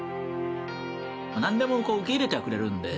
何でも受け入れてはくれるんで。